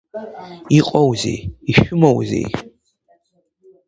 Иҟоузеи, ишәымоузеи?